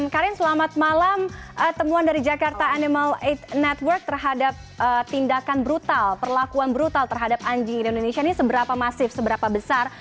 karin selamat malam temuan dari jakarta animal aid network terhadap tindakan brutal perlakuan brutal terhadap anjing di indonesia ini seberapa masif seberapa besar